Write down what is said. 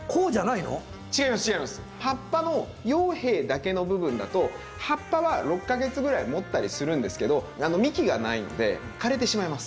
葉っぱの葉柄だけの部分だと葉っぱは６か月ぐらいもったりするんですけど幹がないので枯れてしまいます。